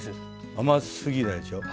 甘すぎないでしょう。